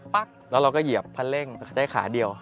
แล้วเราก็เหยียบคันเร่งใช้ขาเดียว